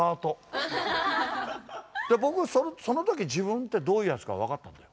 僕その時自分ってどういうやつか分かったんだよ。